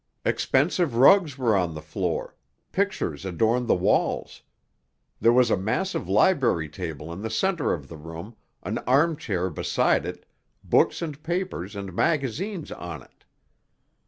Expensive rugs were on the floor; pictures adorned the walls. There was a massive library table in the center of the room, an armchair beside it, books and papers and magazines on it.